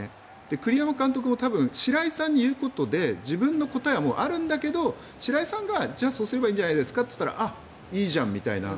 栗山監督も多分白井さんに言うことで自分の答えはあるんだけど白井さんがじゃあ、そうすればいいんじゃないですかと言ったらあっ、いいじゃんみたいな。